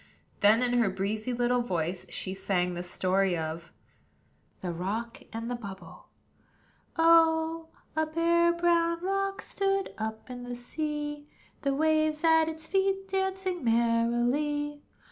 Then, in her breezy little voice, she sang the story of THE ROCK AND THE BUBBLE. Oh! a bare, brown rock Stood up in the sea, The waves at its feet Dancing merrily.